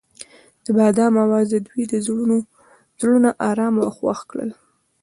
د بام اواز د دوی زړونه ارامه او خوښ کړل.